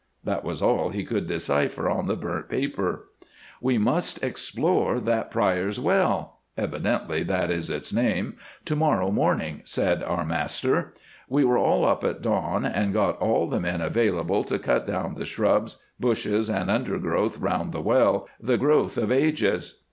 That was all he could decipher on the burnt paper. "'We must explore that Prior's Well (evidently that is its name) to morrow morning,' said our master. We were all up at dawn, and got all the men available to cut down the shrubs, bushes, and the undergrowth round the well, the growth of ages.